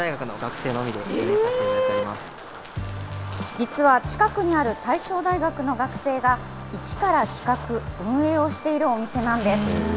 実は近くにある大正大学の学生が、一から企画・運営をしているお店なんです。